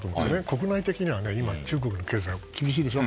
国内的には中国厳しいでしょ。